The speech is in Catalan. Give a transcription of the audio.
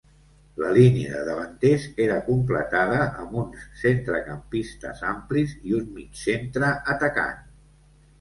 La línia de davanters era completada amb uns centrecampistes amplis i un mig centre atacant.